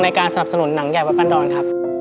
ในการสนับสนุนหนังใหญ่พันดรครับ